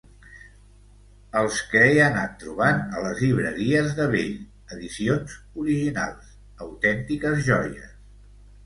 Els que he anat trobant a les llibreries de vell, edicions originals, autèntiques joies.